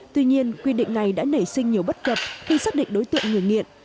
tuy nhiên quy định này đã nảy sinh nhiều bất cập khi xác định đối tượng người nghiện